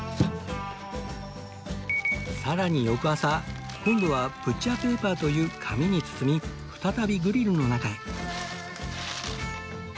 さらに翌朝今度はブッチャーペーパーという紙に包み再びグリルの中へ